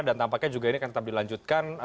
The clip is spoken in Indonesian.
dan tampaknya juga ini akan tetap dilanjutkan